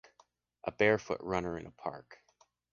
A bare foot runner in a park.